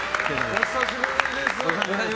お久しぶりです。